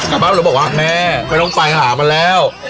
กลับบ้านเลยบอกว่าแม่ไม่ต้องไปหามันแล้ว